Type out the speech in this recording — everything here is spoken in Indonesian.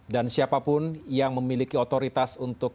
dan siapapun yang memiliki otoritas untuk